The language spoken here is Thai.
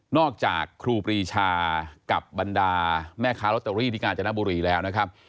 อกจากครูปรีชากับบรรดาแม่ค้าลอตเตอรี่ที่กาญจนบุรีแล้วนะครับ